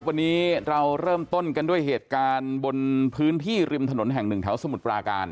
วันนี้เราเริ่มต้นกันด้วยเหตุการณ์บนพื้นที่ริมถนนแห่งหนึ่งแถวสมุทรปราการ